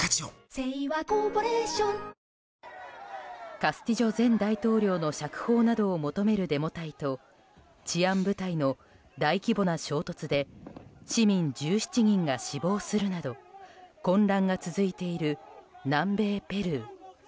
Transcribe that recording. カスティジョ前大統領の釈放などを求めるデモ隊と治安部隊の大規模な衝突で市民１７人が死亡するなど混乱が続いている南米ペルー。